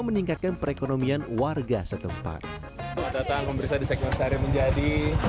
meningkatkan perekonomian warga setempat datang kembali menjadi